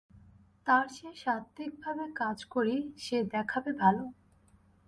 তার চেয়ে সাত্ত্বিকভাবে কাজ করি, সে দেখাবে ভালো।